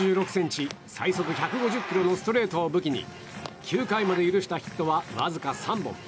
最速１５０キロのストレートを武器に９回まで許したヒットはわずか３本。